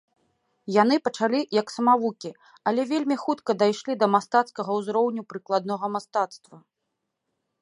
Яны пачалі як самавукі, але вельмі хутка дайшлі да мастацкага ўзроўню прыкладнога мастацтва.